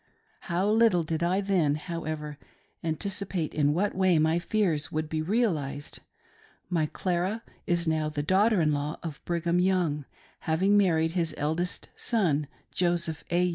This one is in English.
How little did I then, however, anticipate in what way my fears would be realised ! My Clara is now the daughter in law of Brigham Young, having married his eldest son, Joseph A.